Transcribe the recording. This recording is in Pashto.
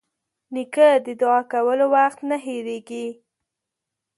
نیکه د دعا کولو وخت نه هېرېږي.